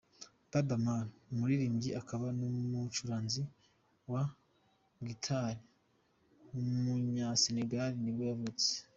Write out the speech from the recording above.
Baaba Maal, umuririmbyi akaba n’umucuranzi wa guitar w’umunyasenegal nibwo yavutse.